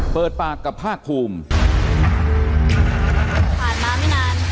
เปิดปากกับภาคภูมิ